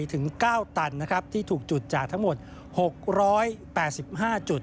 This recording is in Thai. ถึง๙ตันนะครับที่ถูกจุดจากทั้งหมด๖๘๕จุด